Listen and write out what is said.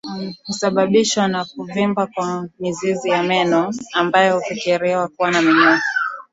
husababishwa na kuvimba kwa mizizi ya meno ambayo hufikiriwa kuwa na minyoo